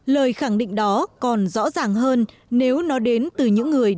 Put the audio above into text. lời khẳng định đó còn rõ ràng hơn nếu nó đến từ những người đã không tìm được kỹ năng